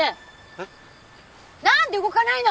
えっ？